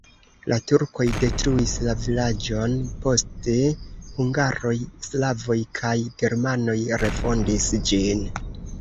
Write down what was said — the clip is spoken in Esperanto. La turkoj detruis la vilaĝon, poste hungaroj, slavoj kaj germanoj refondis ĝin.